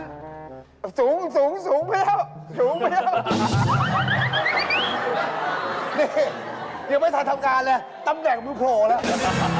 นี่ยังไม่ทันทำงานเลยตำแหน่งพูดโผล่แล้ว